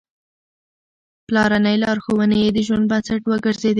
پلارنۍ لارښوونې يې د ژوند بنسټ وګرځېدې.